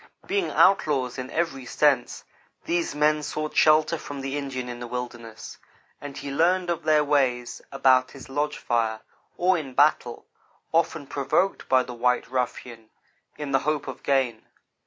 Being outlaws in every sense, these men sought shelter from the Indian in the wilderness; and he learned of their ways about his lodge fire, or in battle, often provoked by the white ruffian in the hope of gain.